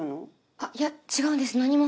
あっいや違うんです何も。